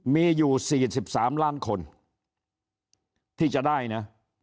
มีอยู่สี่สิบสามล้านคนที่จะได้นะ